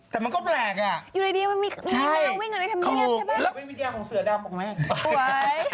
เป็นวิทยาของเสือดำหรอแม่